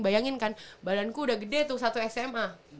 bayangin kan badanku udah gede tuh satu sma